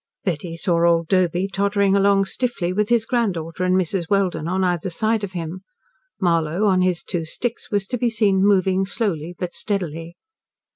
Betty saw old Doby tottering along stiffly, with his granddaughter and Mrs. Welden on either side of him. Marlow, on his two sticks, was to be seen moving slowly, but steadily.